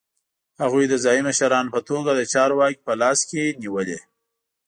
هغوی د ځايي مشرانو په توګه د چارو واګې په لاس کې نیولې.